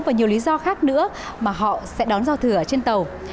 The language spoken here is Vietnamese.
và nhiều lý do khác nữa mà họ sẽ đón giao thừa trên tàu